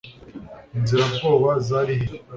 inzira bwoba zari hehe